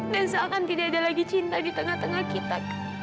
dan seakan tidak ada lagi cinta di tengah tengah kita